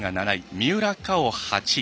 三浦佳生、８位。